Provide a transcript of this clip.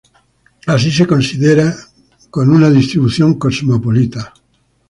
Así es considerado con una distribución cosmopolita.